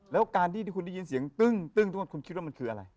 แล้วการที่คุณได้ยินเสียงตึ้งทุกคนคุณคิดว่ามันคืออะไร